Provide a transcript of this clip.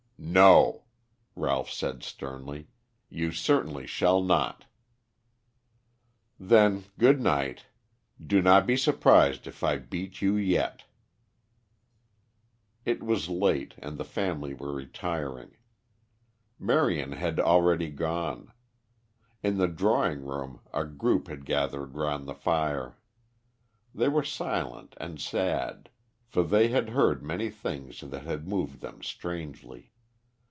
"No," Ralph said sternly. "You certainly shall not." "Then good night. Do not be surprised if I beat you yet." It was late, and the family were retiring. Marion had already gone. In the drawing room a group had gathered round the fire. They were silent and sad, for they had heard many things that had moved them strangely.